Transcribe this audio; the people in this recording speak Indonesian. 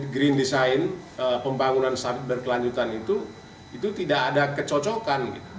green design pembangunan sawit berkelanjutan itu tidak ada kecocokan